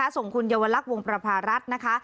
ส่งคุณเยาวลักษณ์วงประพารัฐนะคะ